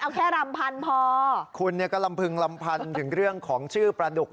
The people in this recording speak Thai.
เอาแค่รำพันพอคุณเนี่ยก็ลำพึงลำพันถึงเรื่องของชื่อปลาดุก